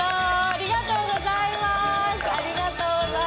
ありがとうございます。